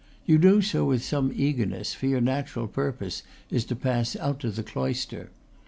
You do so with some eager ness, for your natural purpose is to pass out to the cloister.